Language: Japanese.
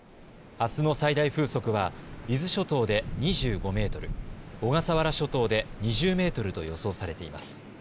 あすの最大風速は伊豆諸島で２５メートル、小笠原諸島で２０メートルと予想されています。